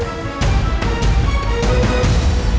tidak ada yang bisa dihukum